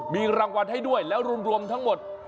มีรางวัลให้ด้วยแล้วรวมทั้งหมด